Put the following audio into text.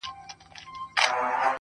• څوک و یوه او څوک و بل ته ورځي,